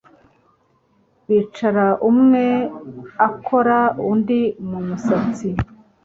bicara umwe akora undi mu musatsi,